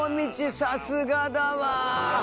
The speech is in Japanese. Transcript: さすがだわ。